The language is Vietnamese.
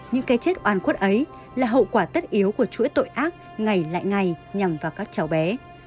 những cái chết oan khuất ấy là hậu quả tất yếu của chuỗi tội ác ngày lại ngày nhằm vào các cháu bé